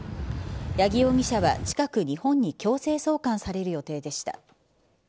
八木容疑者は近く、日本に強制送還される予定でした。